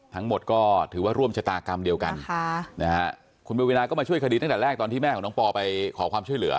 ทั้งหมดก็ถือว่าร่วมชะตากรรมเดียวกันคุณเบวินาก็มาช่วยคดีตั้งแต่แรกตอนที่แม่ของน้องปอไปขอความช่วยเหลือ